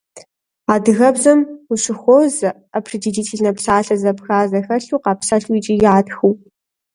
Адыгэбзэм ущыхуозэ определительнэ псалъэ зэпха зэхэлъу къапсэлъу икӏи ятхыу.